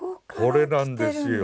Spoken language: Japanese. これなんですよ。